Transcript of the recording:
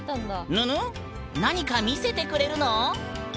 ぬぬっ何か見せてくれるの？